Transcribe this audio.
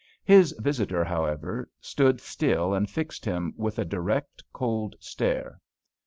His visitor, however, stood still and fixed him with a direct, cold stare.